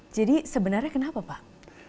jadi sebenarnya kenapa pak